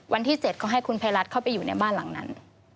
วันที่๗ก็ให้คุณภัยรัฐเข้าไปอยู่ในบ้านหลังนั้น